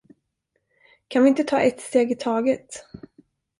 Kan vi inte ta ett steg i taget?